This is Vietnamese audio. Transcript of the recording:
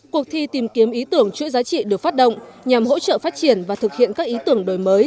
cuộc thi tìm kiếm ý tưởng chuỗi giá trị được phát động nhằm hỗ trợ phát triển và thực hiện các ý tưởng đổi mới